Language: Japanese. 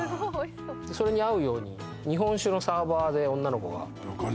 それに合うように日本酒のサーバーで女の子が。